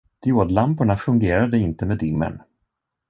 Diodlamporna fungerade inte med dimmern.